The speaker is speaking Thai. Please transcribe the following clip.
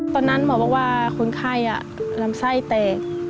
ตอนนั้นหมอบอกว่าคนไข้ลำไส้แตก